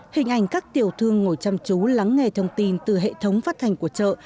hình ảnh các tiểu thương ngồi chăm chú lắng nghe thông tin từ hệ thống phát thanh của chợ